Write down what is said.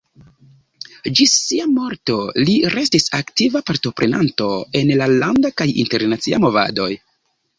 Ĝis sia morto li restis aktiva partoprenanto en la landa kaj internacia movadoj.